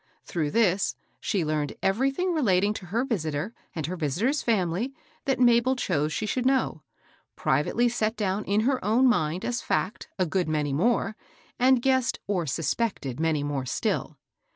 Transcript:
Through this, she learned everything re lating to her visitor and her visitor's femily that Mabel chose she should know, privately set down in her own mind as fact a good many more, and guessed or suspected many more still.